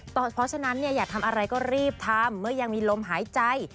เพราะฉะนั้นอยากทำอะไรก็รีบทำเมื่อยังมีลมหายใจ